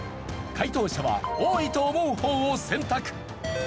解答者は多いと思う方を選択。